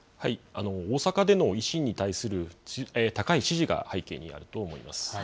大阪での維新に対する高い支持が背景にあると思います。